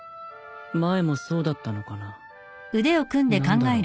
前もそうだったのかな何だろう？